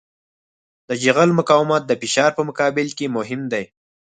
د جغل مقاومت د فشار په مقابل کې مهم دی